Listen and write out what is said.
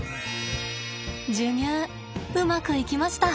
授乳うまくいきました。